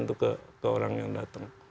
untuk ke orang yang datang